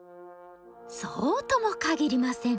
「そうとも限りません。